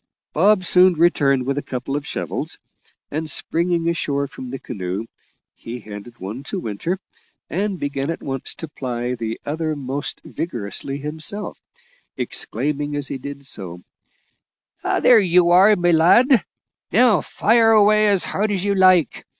Bob soon returned with a couple of shovels, and, springing ashore from the canoe, he handed one to Winter, and began at once to ply the other most vigorously himself, exclaiming as he did so: "There you are, my lad: now fire away as hard as you like.